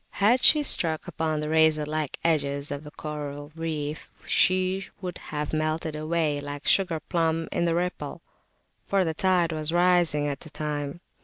Had she struck upon the razor like edges of the coral reef, she would have melted [p.220] away like a sugar plum in the ripple, for the tide was rising at the time.